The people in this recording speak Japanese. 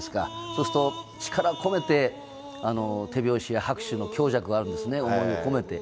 そうすると、力を込めて手拍子や、拍手の強弱があるんですね、思いを込めて。